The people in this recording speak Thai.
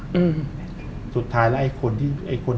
อืมสุดท้ายแล้วไออีคน